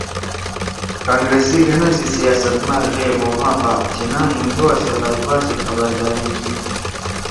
کانگرس سی گھنا سی سیاست ما غیب ہَؤ ما بعد جناح ہندوا سی غلَبہ سی خبرداری کی۔